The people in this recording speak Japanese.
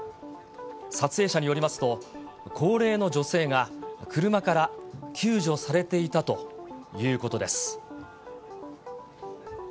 撮影者によりますと、高齢の女性が車から救助されていたということです。